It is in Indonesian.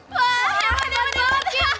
wah hebat banget kim